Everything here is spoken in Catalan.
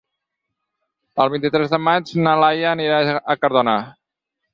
El vint-i-tres de maig na Laia anirà a Cardona.